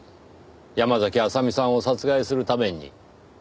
山嵜麻美さんを殺害するために。